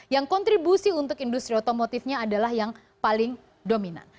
yang kontribusi untuk industri otomotifnya adalah yang paling dominan